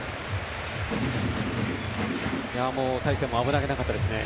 大勢も危なげなかったですね。